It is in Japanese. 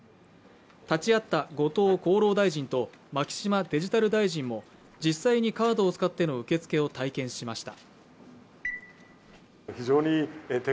立ち会った後藤厚労大臣と牧島デジタル大臣も実際にカードを使っての受付を体験しました。